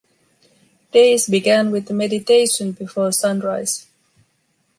Days began with a meditation before sunrise.